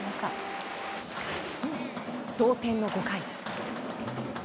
しかし、同点の５回。